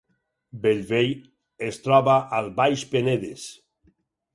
Bellvei es troba al Baix Penedes